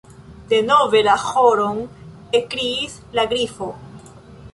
"Denove la ĥoron," ekkriis la Grifo.